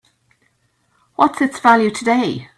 What's its value today?